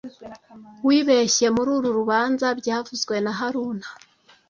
Wibeshye muri uru rubanza byavuzwe na haruna